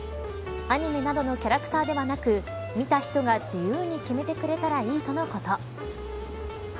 アニメなどのキャラクターではなく見た人が自由に決めてくれたらいいとのこと。